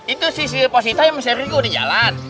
itu sih positai yang mengekriku di jalan